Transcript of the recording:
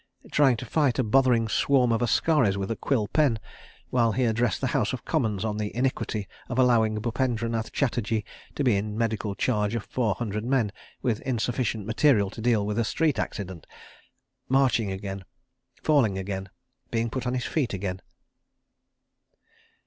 . trying to fight a bothering swarm of askaris with a quill pen, while he addressed the House of Commons on the iniquity of allowing Bupendranath Chatterji to be in medical charge of four hundred men with insufficient material to deal with a street accident. ... Marching again, falling again, being put on his feet again.